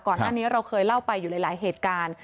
ก่อนหน้านี้เราเคยเล่าไปอยู่หลายเหตุการณ์